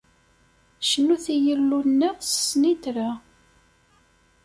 Cnut i Yillu-nneɣ s snitra!